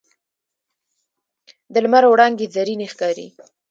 د لمر وړانګې زرینې ښکاري